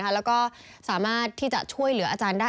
ที่เป็นการเตรียมดูเส้นทางก่อนแล้วก็สามารถที่จะช่วยเหลืออาจารย์ได้